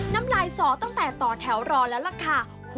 น้ำลายสอตั้งแต่ต่อแถวรอแล้วล่ะค่ะ